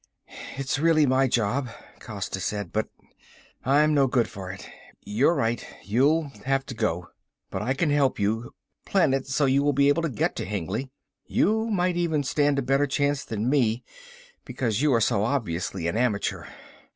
"It's really my job," Costa said, "but I'm no good for it. You're right, you'll have to go. But I can help you, plan it so you will be able to get to Hengly. You might even stand a better chance than me, because you are so obviously an amateur.